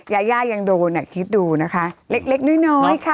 ยาย่ายังโดนอ่ะคิดดูนะคะเล็กเล็กน้อยค่ะ